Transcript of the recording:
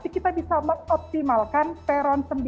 jadi kita bisa mengoptimalkan peron sembilan